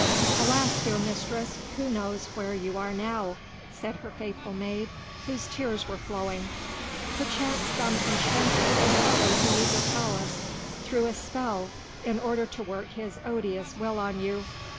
"Alas! dear mistress, who knows where you are now?" said her faithful maid, whose tears were flowing. "Perchance some enchanter compelled you to leave your palace through a spell in order to work his odious will on you.